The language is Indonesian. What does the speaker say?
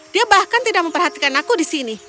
dia bahkan tidak memperhatikan aku di sini